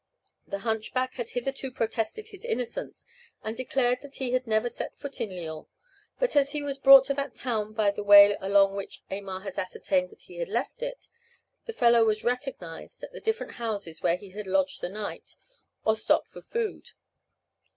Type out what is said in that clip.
The hunchback had hitherto protested his innocence, and declared that he had never set foot in Lyons. But as he was brought to that town by the way along which Aymar had ascertained that he had left it, the fellow was recognized at the different houses where he had lodged the night, or stopped for food.